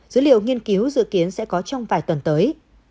dữ liệu nghiên cứu dự kiến sẽ có trong vài tuần tới